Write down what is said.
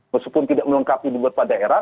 meskipun tidak melengkapi di beberapa daerah